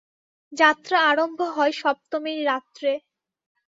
যাত্রা আরম্ভ হয় সপ্তমীর রাত্রে।